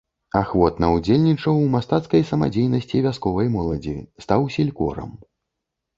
Ахвотна ўдзельнічаў у мастацкай самадзейнасці вясковай моладзі, стаў селькорам.